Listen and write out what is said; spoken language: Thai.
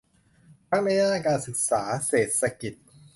ทั้งในด้านการศึกษา เศรษฐกิจ